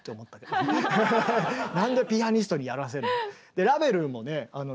何でピアニストにやらせるの。